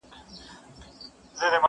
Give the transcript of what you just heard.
موږ به پر کومه ځو ملاجانه,